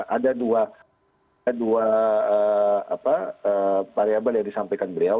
ada dua variabel yang disampaikan beliau